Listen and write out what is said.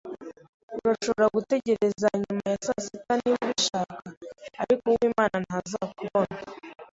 Urashobora gutegereza nyuma ya saa sita niba ubishaka, ariko Uwimana ntazakubona.